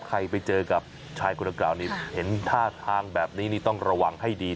ใครไปเจอกับชายคนดังกล่าวนี้เห็นท่าทางแบบนี้นี่ต้องระวังให้ดี